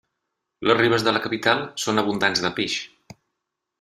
Les ribes de la capital són abundants de peix.